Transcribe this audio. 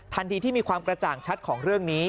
ทันทีที่มีความกระจ่างชัดของเรื่องนี้